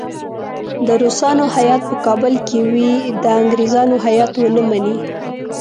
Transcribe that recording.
د روسانو هیات په کابل کې وي د انګریزانو هیات ونه مني.